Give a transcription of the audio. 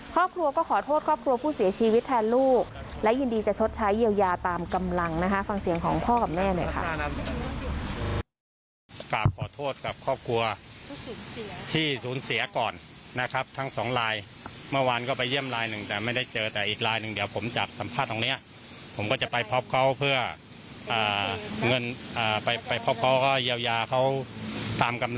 ครอบครัวก็ขอโทษครอบครัวผู้เสียชีวิตแทนลูกและยินดีจะชดใช้เยียวยาตามกำลังนะคะฟังเสียงของพ่อกับแม่หน่อยค่ะ